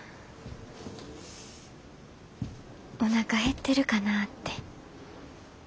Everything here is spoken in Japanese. おなか減ってるかなって。